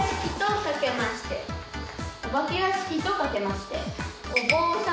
お化け屋敷とかけまして。